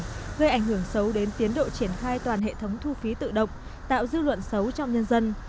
gây ảnh hưởng xấu đến tiến độ triển khai toàn hệ thống thu phí tự động tạo dư luận xấu trong nhân dân